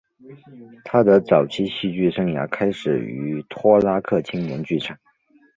他的早期戏剧生涯开始于托拉克青年剧场。